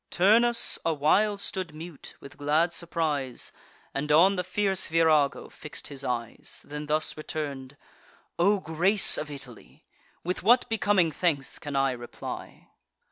Turnus a while stood mute, with glad surprise, And on the fierce Virago fix'd his eyes; Then thus return'd: "O grace of Italy, With what becoming thanks can I reply?